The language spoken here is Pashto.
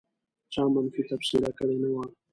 چا منفي تبصره کړې نه وه.